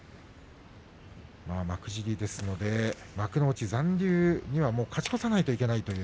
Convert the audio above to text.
幕尻ですので幕内残留には勝ち越さなきゃいけません。